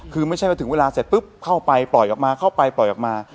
คือไม่ใช่ว่าถึงเวลาเสร็จปุ๊บเข้าไปปล่อยออกมาเข้าไปปล่อยออกมา